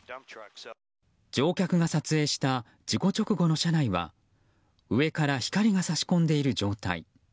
乗客が撮影した事故直後の車内は上から光が差し込んでいる状態。